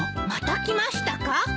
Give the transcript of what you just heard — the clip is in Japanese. また来ましたか？